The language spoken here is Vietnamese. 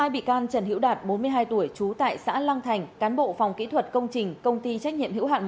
hai bị can trần hữu đạt bốn mươi hai tuổi trú tại xã lăng thành cán bộ phòng kỹ thuật công trình công ty trách nhiệm hữu hạn